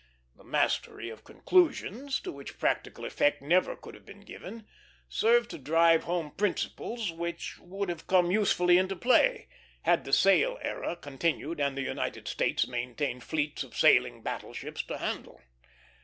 The mastery of conclusions, to which practical effect never could have been given, served to drive home principles which would have come usefully into play, had the sail era continued and the United States maintained fleets of sailing battle ships to handle.